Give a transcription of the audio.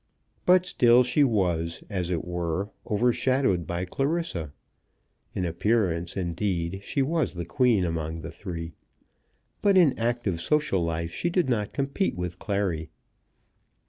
But still she was, as it were, overshadowed by Clarissa. In appearance, indeed, she was the queen among the three, but in active social life she did not compete with Clary.